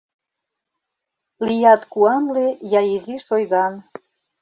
Лият куанле я изиш ойган